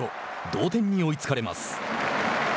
同点に追いつかれます。